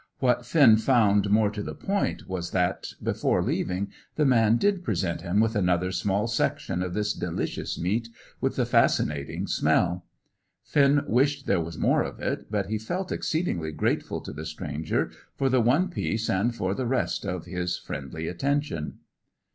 What Finn found more to the point was that, before leaving, the man did present him with another small section of this delicious meat with the fascinating smell. Finn wished there was more of it, but he felt exceedingly grateful to the stranger for the one piece and for the rest of his friendly attention.